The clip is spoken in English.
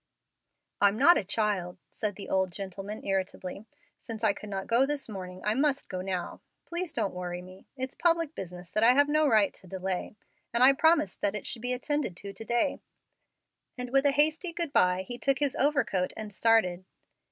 "I'm not a child," said the old gentleman, irritably. "Since I could not go this morning, I must go now. Please don't worry me. It's public business that I have no right to delay, and I promised that it should be attended to today;" and with a hasty "good by" he took his overcoat and started.